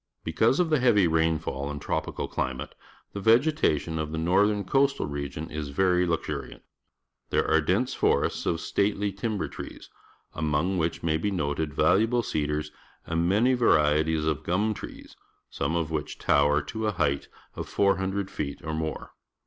Because of the heavy rainfall and tropi cal climate, thg^ vegetation of the northern coastal region i^ very lux urian t. There are d ense fores ts of stately timber trees, among which may be noted valuable cedars and many varieties of gu m tre es, some of which tower to a height of 400 feet or more.